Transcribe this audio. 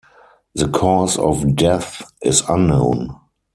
The cause of death is unknown.